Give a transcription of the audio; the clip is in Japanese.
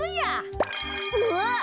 うわっ。